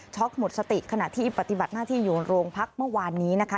หมดสติขณะที่ปฏิบัติหน้าที่อยู่โรงพักเมื่อวานนี้นะคะ